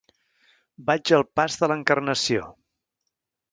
Vaig al pas de l'Encarnació.